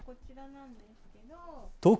東京